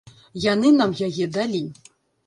Яны нам яе далі.